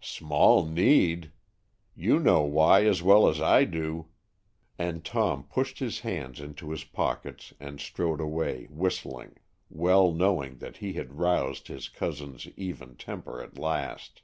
"Small need! You know why as well as I do;" and Tom pushed his hands into his pockets and strode away, whistling, well knowing that he had roused his cousin's even temper at last.